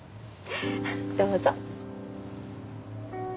どうぞ。